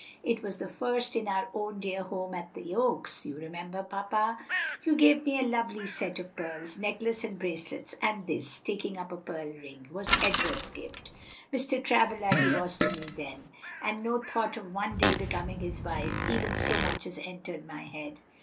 "It was the first in our own dear home at the Oaks, you remember, papa. You gave me a lovely set of pearls necklace and bracelets and this," taking up a pearl ring, "was Edward's gift. Mr. Travilla he was to me then, and no thought of one day becoming his wife even so much as entered my head.